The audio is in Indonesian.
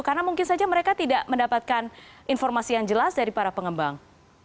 karena mungkin saja mereka tidak mendapatkan informasi yang jelas dari para pengembang